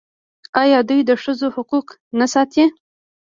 آیا دوی د ښځو حقوق نه ساتي؟